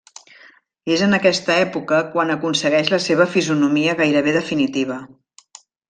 És en aquesta època quan aconsegueix la seva fisonomia gairebé definitiva.